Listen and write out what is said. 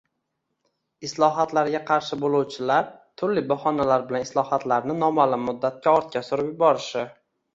islohotlarga qarshi bo‘luvchilar turli bahonalar bilan islohotlarni noma’lum muddatga ortga surib yuborishi